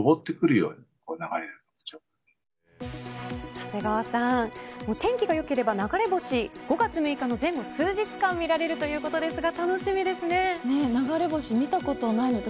長谷川さん天気がよければ流れ星５月６日の前後数日間見られるということですが流れ星、見たことないので。